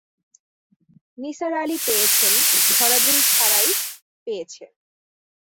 নিসার আলি পেয়েছেন, ধরাধরি ছাড়াই পেয়েছেন।